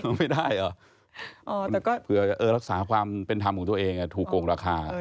ไม่ได้เหรอแต่ก็เผื่อรักษาความเป็นธรรมของตัวเองถูกโกงราคา